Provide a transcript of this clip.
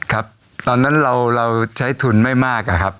ครับตอนนั้นเราใช้ทุนไม่มากอะครับ